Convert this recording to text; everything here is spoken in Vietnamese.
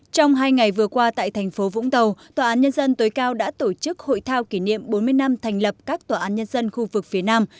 trong hai ngày vừa qua tại thành phố vũng tàu tòa án nhân dân tối cao đã tổ chức hội thao kỷ niệm bốn mươi năm thành lập các tòa án nhân dân khu vực phía nam